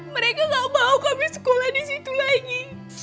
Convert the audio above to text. mereka gak mau kami sekolah disitu lagi